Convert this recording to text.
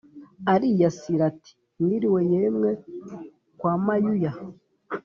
aliyasira ati mwiliwe yemwe kwa mayuya?